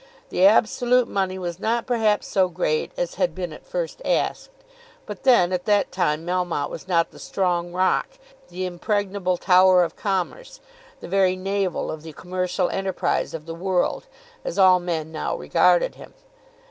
The absolute money was not perhaps so great as had been at first asked; but then, at that time, Melmotte was not the strong rock, the impregnable tower of commerce, the very navel of the commercial enterprise of the world, as all men now regarded him.